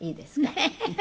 ハハハ！